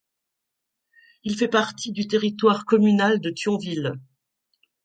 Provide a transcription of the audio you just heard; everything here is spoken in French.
Il fait partie du territoire communal de Thionville.